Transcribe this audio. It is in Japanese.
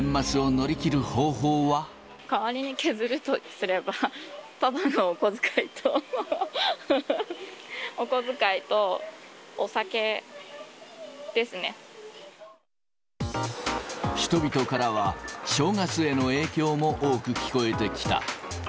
代わりに削るとすれば、やっぱりパパのお小遣いと、人々からは、正月への影響も多く聞こえてきた。